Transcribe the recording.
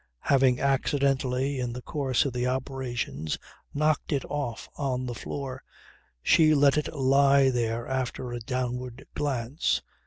Having accidentally, in the course of the operations, knocked it off on the floor she let it lie there after a downward glance.